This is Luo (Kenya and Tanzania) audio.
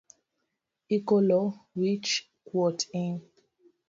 Ikolo wich kuot in.